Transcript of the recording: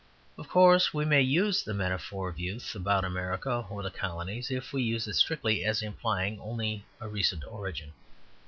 Of course we may use the metaphor of youth about America or the colonies, if we use it strictly as implying only a recent origin.